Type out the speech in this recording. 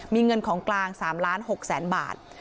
มีเงินของกลาง๓๖๐๐๐๐๐บาท